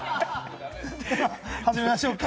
始めましょうか。